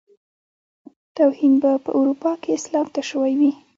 توهين به په اروپا کې اسلام ته شوی وي.